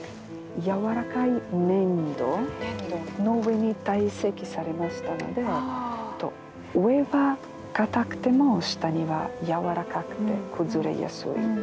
軟らかい粘土の上に堆積されましたので上は硬くても下には軟らかくて崩れやすい。